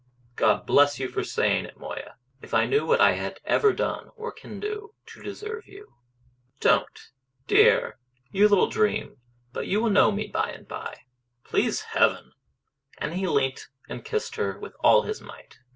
"God bless you for saying it, Moya. If I knew what I have ever done or can do to deserve you!" "Don't, dear ... you little dream ... but you will know me by and by." "Please Heaven!" And he leant and kissed her with all his might.